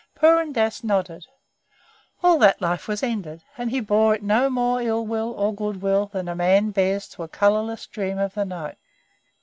Purun Dass nodded. All that life was ended; and he bore it no more ill will or good will than a man bears to a colourless dream of the night.